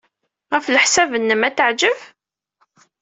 Ɣef leḥsab-nnem, ad t-teɛjeb?